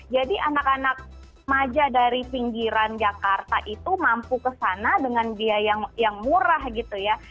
jadi anak anak maja dari pinggiran jakarta itu mampu ke sana dengan biaya yang murah gitu ya